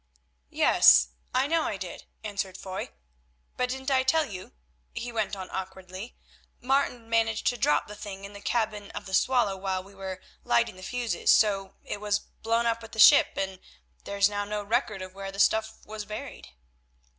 "Yes, I know I did," answered Foy, "but didn't I tell you?" he went on awkwardly. "Martin managed to drop the thing in the cabin of the Swallow while we were lighting the fuses, so it was blown up with the ship, and there is now no record of where the stuff was buried."